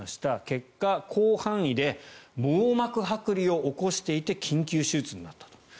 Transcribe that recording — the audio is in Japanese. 結果、広範囲で網膜はく離を起こしていて緊急手術になったと。